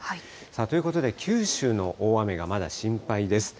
ということで、九州の大雨がまだ心配です。